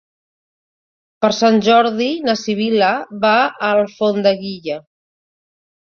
Per Sant Jordi na Sibil·la va a Alfondeguilla.